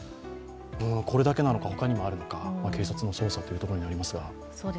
これだけなのか、ほかにもあるのか警察の捜査というところになりますが。